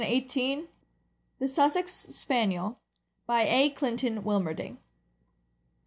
21 THE SUSSEX SPANIEL. BY A. CLINTON WILMERDING.